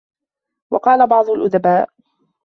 وَقَالَ بَعْضُ الْأُدَبَاءِ